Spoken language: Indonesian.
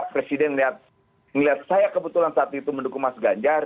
presiden melihat saya kebetulan saat itu mendukung mas ganjar